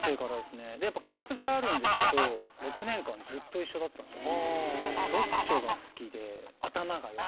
やっぱクラス替えあるんですけど６年間ずっと一緒だったんですよ。